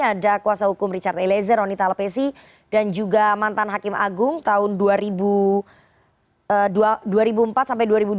ada kuasa hukum richard eliezer roni talapesi dan juga mantan hakim agung tahun dua ribu empat sampai dua ribu dua belas